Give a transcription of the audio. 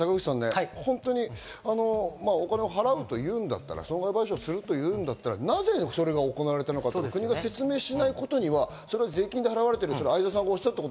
坂口さん、お金を払うというなら、損害賠償するというなら、なぜそれが行われたのか国が説明しないことには税金で払われている。